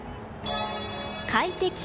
快適。